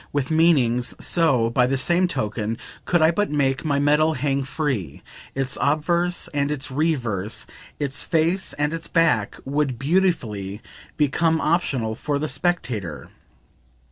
with meanings, so, by the same token, could I but make my medal hang free, its obverse and its reverse, its face and its back, would beautifully become optional for the spectator.